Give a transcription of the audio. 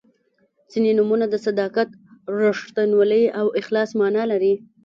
•ځینې نومونه د صداقت، رښتینولۍ او اخلاص معنا لري.